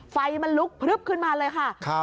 ไฟมันลุกพลึบขึ้นมาเลยค่ะ